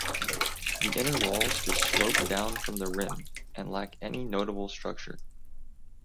The inner walls just slope down from the rim, and lack any notable structure.